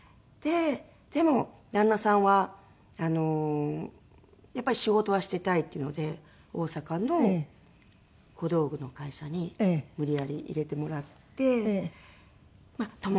でも旦那さんはやっぱり仕事はしていたいっていうので大阪の小道具の会社に無理やり入れてもらって。